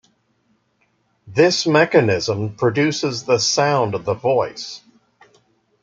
This mechanism produces the sound of the voice.